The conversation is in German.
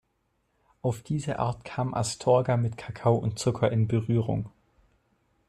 Auf diese Art kam Astorga mit Kakao und Zucker in Berührung.